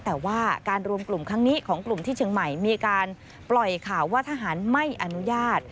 แต่ว่าการรวมกลุ่มครั้งนี้ของกลุ่มที่เชียงใหม่มีการปล่อยข่าวว่าทหารไม่อนุญาต